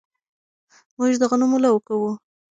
موږ د غنمو لو کوو